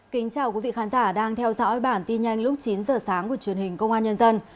kính chào quý vị khán giả đang theo dõi bản tin nhanh lúc chín giờ sáng của truyền hình công an nhân dân